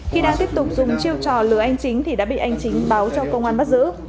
khi đang tiếp tục dùng chiêu trò lừa anh chính thì đã bị anh chính báo cho công an bắt giữ